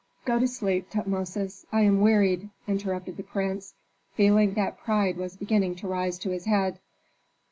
"Go to sleep, Tutmosis; I am wearied," interrupted the prince, feeling that pride was beginning to rise to his head.